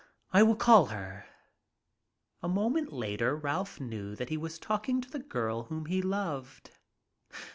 I will call her." A moment later Ralph knew that he was talking to the girl whom he loved.